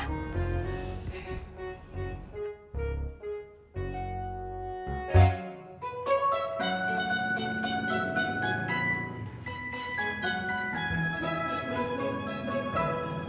nih bang kamu mau ke rumah